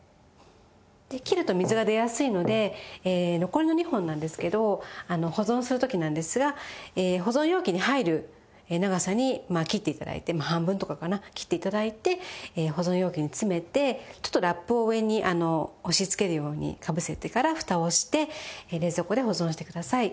で切ると水が出やすいので残りの２本なんですけど保存する時なんですが保存容器に入る長さにまあ切って頂いてまあ半分とかかな切って頂いて保存容器に詰めてちょっとラップを上に押しつけるようにかぶせてから蓋をして冷蔵庫で保存してください。